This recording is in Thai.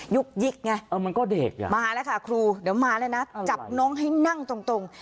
ยุคยิกไงมาแล้วค่ะครูเดี๋ยวมาแล้วนะจับน้องให้นั่งตรง